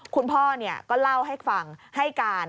คุณพ่อก็เล่าให้ฟังให้การ